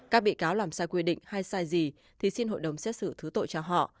các bị cáo làm sai quy định hay sai gì thì xin hội đồng xét xử thứ tội cho họ